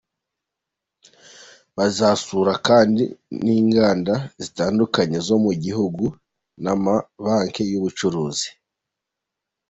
Bazasura kandi n’inganda zitandukanye zo mu gihugu n’amabanki y’ubucuruzi.